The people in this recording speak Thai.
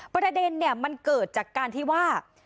ประเด็นเนี่ยมันเกิดจากการที่ว่า